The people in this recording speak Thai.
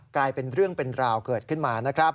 กลายเป็นเรื่องเป็นราวเกิดขึ้นมานะครับ